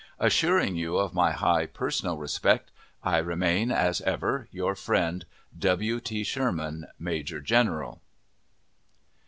Assuring you of my high personal respect, I remain, as ever, your friend, W. T. SHERMAN, Major General.